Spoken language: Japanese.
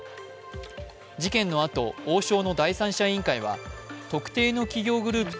事件のあと、王将の第三者委員会は特定の企業グルト